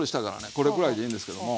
これぐらいでいいんですけども。